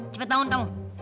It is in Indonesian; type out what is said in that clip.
cepet bangun kamu